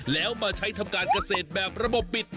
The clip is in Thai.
แล้วมาใช้ทำการเกษตรแบบระบบปิด